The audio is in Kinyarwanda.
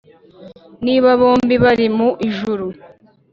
“niba bombi bari mu ijuru?”